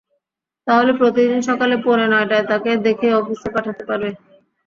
তাহলে প্রতিদিন সকাল পৌনে নয়টায় তাকে দেখে অফিসে পাঠাতে পারবে।